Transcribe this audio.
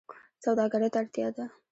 سوداګرۍ ته اړتیا ده